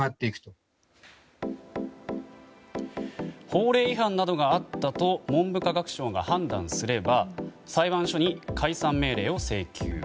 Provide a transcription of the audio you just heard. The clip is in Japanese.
法令違反などがあったと文部科学省が判断すれば裁判所に解散命令を請求。